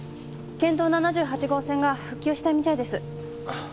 県道７８号線が復旧したみたいです